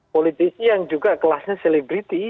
politisi yang juga kelasnya selebriti